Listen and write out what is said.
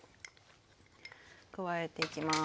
加えていきます。